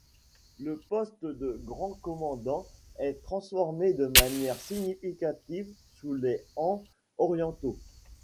Le poste de Grand Commandant est transformé de manière significative sous les Han orientaux.